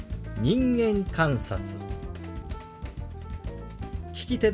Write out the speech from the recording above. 「人間観察」。